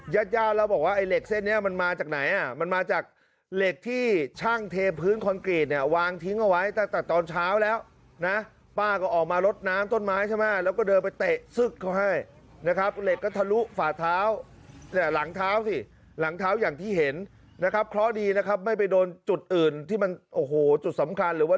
ญาติญาติแล้วบอกว่าไอ้เหล็กเส้นนี้มันมาจากไหนอ่ะมันมาจากเหล็กที่ช่างเทพื้นคอนกรีตเนี่ยวางทิ้งเอาไว้ตั้งแต่ตอนเช้าแล้วนะป้าก็ออกมาลดน้ำต้นไม้ใช่ไหมแล้วก็เดินไปเตะซึกเขาให้นะครับเหล็กก็ทะลุฝ่าเท้าหลังเท้าสิหลังเท้าอย่างที่เห็นนะครับเคราะห์ดีนะครับไม่ไปโดนจุดอื่นที่มันโอ้โหจุดสำคัญหรือว่า